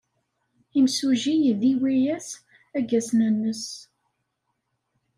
Imsujji idiwa-as aggasen-nnes.